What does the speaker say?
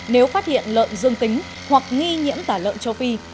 nếu phát hiện lợn dương tính hoặc nghi nhiễm tả lợn châu phi